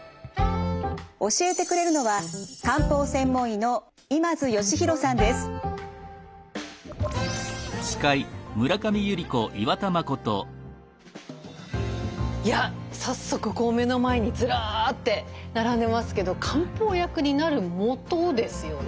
教えてくれるのはいや早速目の前にずらって並んでますけど漢方薬になるもとですよね。